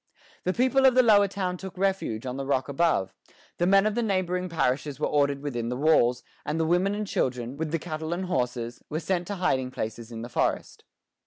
The people of the Lower Town took refuge on the rock above; the men of the neighboring parishes were ordered within the walls; and the women and children, with the cattle and horses, were sent to hiding places in the forest.